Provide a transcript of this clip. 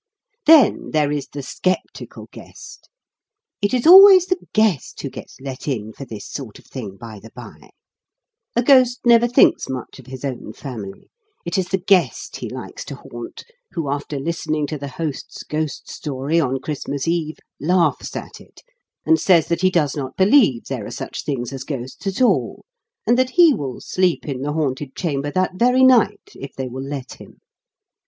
Then there is the sceptical guest it is always 'the guest' who gets let in for this sort of thing, by the bye. A ghost never thinks much of his own family: it is 'the guest' he likes to haunt who after listening to the host's ghost story, on Christmas Eve, laughs at it, and says that he does not believe there are such things as ghosts at all; and that he will sleep in the haunted chamber that very night, if they will let him.